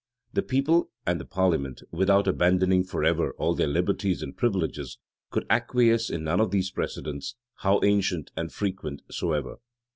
The people and the parliament, without abandoning forever all their liberties and privileges, could acquiesce in none of these precedents, how ancient and frequent soever.